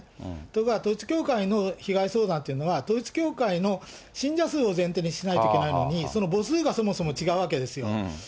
ところが統一教会の被害相談っていうのは、統一教会の信者数を前提にしないといけないのに、その母数がそもそも違うわけですよ。